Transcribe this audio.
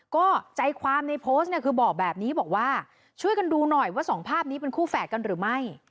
ก็ใจความในโพสต์เนี่ยคือบอกแบบนี้บอกว่าช่วยกันดูหน่อยว่าสองภาพนี้เป็นคู่แฝดกันหรือไม่